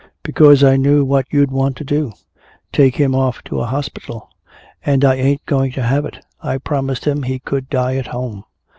"Because I knew what you'd want to do take him off to a hospital! And I ain't going to have it! I promised him he could die at home!"